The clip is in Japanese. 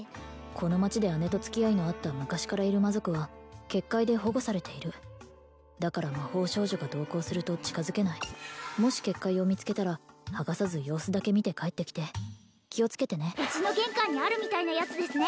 この町で姉と付き合いのあった昔からいる魔族は結界で保護されているだから魔法少女が同行すると近づけないもし結界を見つけたらはがさず様子だけ見て帰ってきて気をつけてねうちの玄関にあるみたいなやつですね